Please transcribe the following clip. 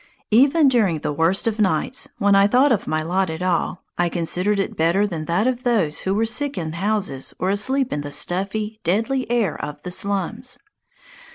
Even during the worst of nights, when I thought of my lot at all. I considered it better than that of those who were sick in houses or asleep in the stuffy, deadly air of the slums.